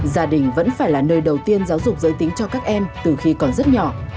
gia đình vẫn phải là nơi đầu tiên giáo dục giới tính cho các em từ khi còn rất nhỏ